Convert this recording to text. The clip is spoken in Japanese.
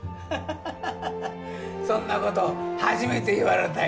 ハハハハハハッそんなこと初めて言われたよ